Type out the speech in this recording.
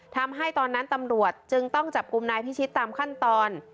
ทำให้ตอนนั้นตำรวจจึงต้องจับกลุ่มนายพิชิตตามขั้นตอน